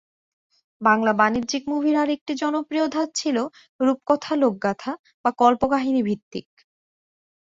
বাংলা বাণিজ্যিক মুভির আরেকটি জনপ্রিয় ধাঁচ ছিল রূপকথা লোকগাথা বা কল্পকাহিনিভিত্তিক।